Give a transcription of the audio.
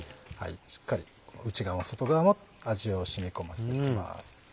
しっかり内側外側も味を染み込ませていきます。